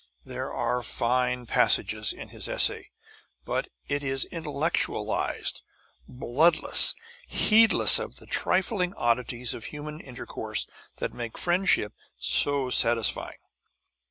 There are fine passages in his essay, but it is intellectualized, bloodless, heedless of the trifling oddities of human intercourse that make friendship so satisfying.